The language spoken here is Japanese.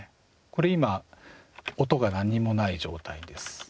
これ今音が何もない状態です。